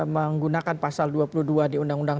menggunakan pasal dua puluh dua di undang undang